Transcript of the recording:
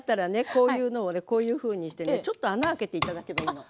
こういうのをねこういうふうにしてねちょっと穴開けて頂けばいいの。